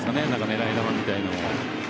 狙い球みたいなのを。